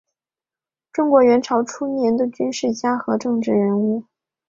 中国元朝初年的军事家和政治人物。